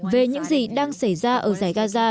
về những gì đang xảy ra ở giải gaza